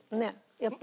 やっぱり。